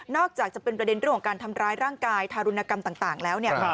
จากจะเป็นประเด็นเรื่องของการทำร้ายร่างกายทารุณกรรมต่างแล้วเนี่ย